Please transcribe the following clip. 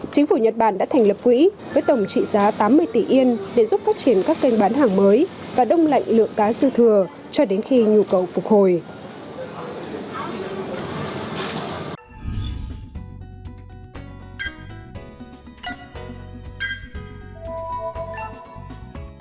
chính phủ nhật bản đã thành lập quỹ với tổng trị giá tám mươi tỷ yên để giúp phát triển các kênh bán hàng mới và đông lạnh lượng cá dư thừa cho đến khi nhu cầu phục hồi